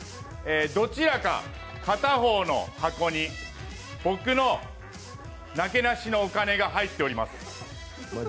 どちらか片方の箱に、僕のなけなしのお金が入っております。